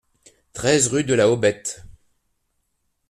treize rue de la Hobette